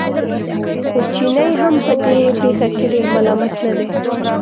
خو چینی هم په دې پېښه کې ډېر ملامت نه دی.